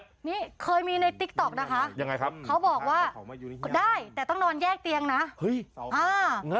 นี่เคยมีในติ๊กต็อกนะคะเขาบอกว่าได้แต่ต้องนอนแยกเตียงนะ